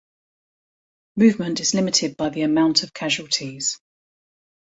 Movement is limited by the amount of casualties.